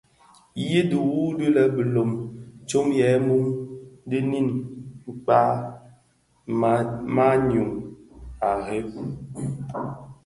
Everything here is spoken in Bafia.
Yi dhiwu bilom tsom yè mum di nin kpag maňyu a bhëg.